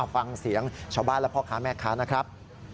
ฟังเสียงชาวบ้านและพ่อค้าแม่ค้านะครับ